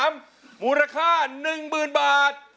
มูลค่า๑๐๐๐บาท